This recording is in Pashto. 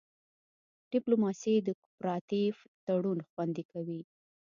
ډیپلوماسي د کوپراتیف تړون خوندي کوي